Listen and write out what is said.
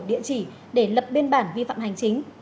địa chỉ để lập biên bản vi phạm hành chính